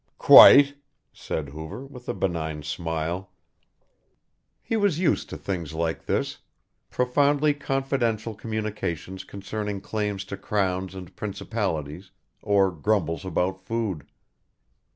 "Quite," said Hoover, with a benign smile. He was used to things like this, profoundly confidential communications concerning claims to crowns and principalities, or grumbles about food.